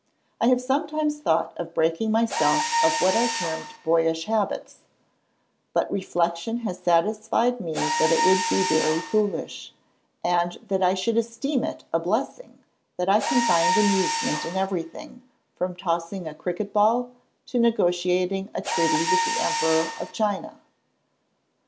I have sometimes thought of breaking myself of what are termed boyish habits; but reflection has satisfied me that it would be very foolish, and that I should esteem it a blessing that I can find amusement in everything, from tossing a cricket ball, to negotiating a treaty with the Emperor of China.